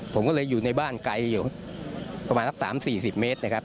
ผมก็เลยอยู่ในบ้านไกลอยู่ประมาณสัก๓๔๐เมตรนะครับ